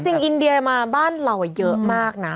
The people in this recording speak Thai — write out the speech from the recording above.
อินเดียมาบ้านเราเยอะมากนะ